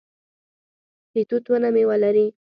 د توت ونه میوه لري